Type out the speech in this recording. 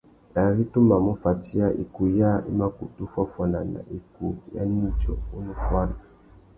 Ari tu mà mù fatiya, ikūh yâā i mà kutu fuáffuana nà ikūh nà nidjô unú fuári.